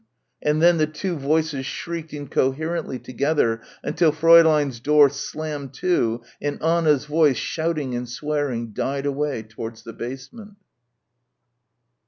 and then the two voices shrieked incoherently together until Fräulein's door slammed to and Anna's voice, shouting and swearing, died away towards the basement.